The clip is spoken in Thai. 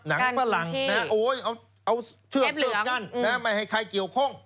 หนังฝรั่งนะโอ๊ยเอาเชือกเกิดกั้นไม่ให้ใครเกี่ยวข้อง